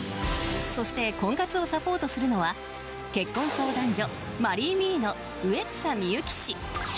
そして、婚活をサポートするのは結婚相談所マリーミーの植草美幸氏。